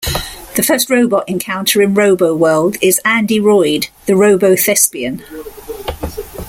The first robot encounter in Roboworld is Andy Roid, the Robothespian.